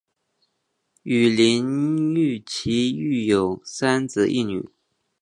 与林堉琪育有三子一女。